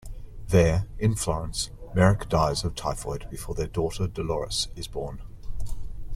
There, in Florence, Merrick dies of typhoid before their daughter Dolores is born.